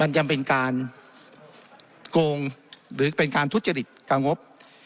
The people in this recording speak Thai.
ยังเป็นการโกงหรือเป็นการทุจริตกับงบ